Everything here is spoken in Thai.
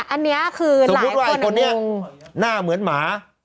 อันนี้คือหลายคนสมมุติว่าอีกคนนี้หน้าเหมือนหมา